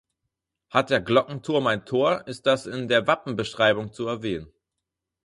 Hat der Glockenturm ein Tor ist das in der Wappenbeschreibung zu erwähnen.